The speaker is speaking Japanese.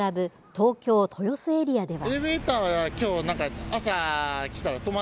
東京、豊洲エリアでは。